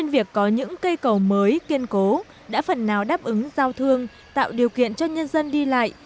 vẫn cây cầu mới kiên cố đã phần nào đáp ứng giao thương tạo điều kiện cho nhân dân đi lại